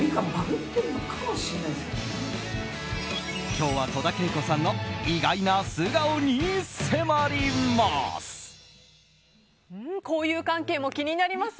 今日は戸田恵子さんの意外な素顔に迫ります。